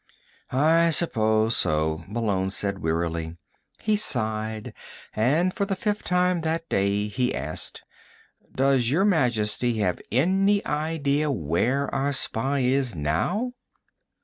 "I suppose so," Malone said wearily. He sighed and, for the fifth time that day, he asked: "Does Your Majesty have any idea where our spy is now?"